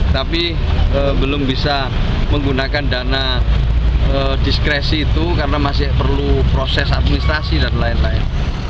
tapi belum bisa menggunakan dana diskresi itu karena masih perlu proses administrasi dan lain lain